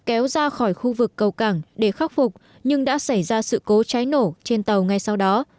kéo ra khỏi khu vực cầu cảng để khắc phục nhưng đã xảy ra sự cố cháy nổ trên tàu ngay sau đó